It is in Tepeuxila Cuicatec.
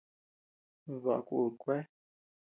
Baʼa kun kuea.